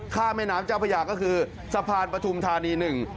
แม่น้ำเจ้าพระยาก็คือสะพานปฐุมธานีหนึ่ง